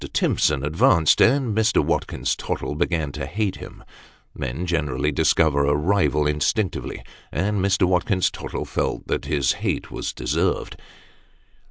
Timson advanced, and Mr. Watkins Tottle began to hate him, Men generally discover a rival, instinctively, and Mr. Watkins Tottle felt that his hate was deserved.